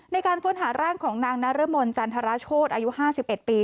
ในการค้นหาร่างของนางนรมนจันทรโชธอายุ๕๑ปี